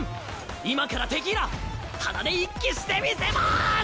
今からテキーラ鼻で一気してみせます！